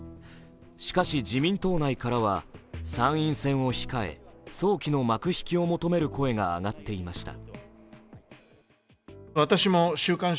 しかし、自民党内からは参院選を控え、早期の幕引きを求める声が上がっていました。